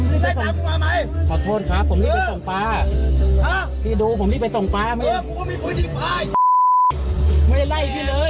ขอโทษครับผมรีบไปส่งปลาพี่ดูผมรีบไปส่งปลาไหมครับไม่ได้ไล่พี่เลย